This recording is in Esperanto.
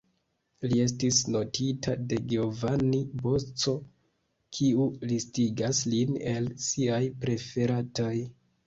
Li estis notita de Giovanni Bosco, kiu listigas lin el siaj preferataj.